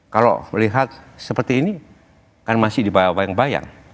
kalau melihat seperti ini kan masih dibawa bayang bayang